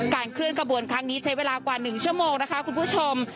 เคลื่อนกระบวนครั้งนี้ใช้เวลากว่า๑ชั่วโมงนะคะคุณผู้ชม